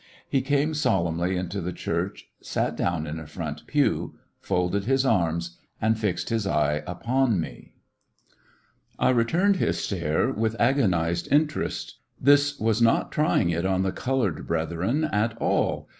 He came solemnly into the church, sat down in a front pew, folded his arms, and fixed his eye upon me. I returned his stare with agonized inter est. This was not trying it on the colored brethren at all.